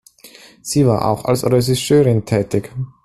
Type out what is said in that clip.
Sie war auch als Regisseurin tätig.